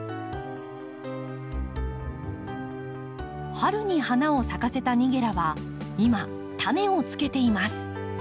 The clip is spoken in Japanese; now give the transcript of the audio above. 春に花を咲かせたニゲラは今タネをつけています。